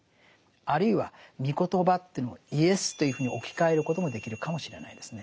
あるいは「み言葉」というのを「イエス」というふうに置き換えることもできるかもしれないですね。